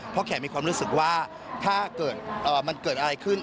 เพราะแข่มีความรู้สึกว่าถ้าเกิดอะไรขึ้น